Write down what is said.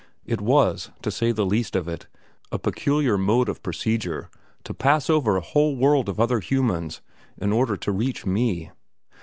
It was, to say the least of it, a peculiar mode of procedure to pass over a whole world of other humans in order to reach me.